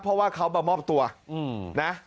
เพราะว่าเขามามอบตัวนะ